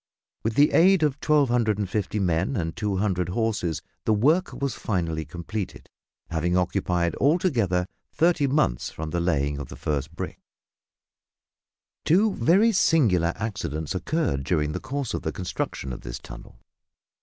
With the aid of 1250 men and 200 horses the work was finally completed, having occupied altogether thirty months from the laying of the first brick. Two very singular accidents occurred during the course of the construction of this tunnel.